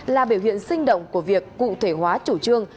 là biểu hiện sinh động của việc cụ thể hóa chủ trương